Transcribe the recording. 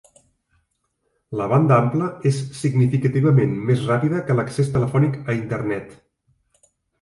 La banda ampla és significativament més ràpida que l'accés telefònic a Internet.